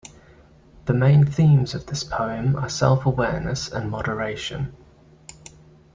The main themes of this poem are self-awareness and moderation.